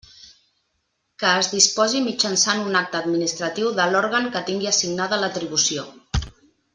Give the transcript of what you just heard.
Que es disposi mitjançant un acte administratiu de l'òrgan que tingui assignada l'atribució.